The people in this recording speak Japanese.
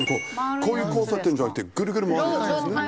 こういう交差点じゃなくてグルグル回るやつですね。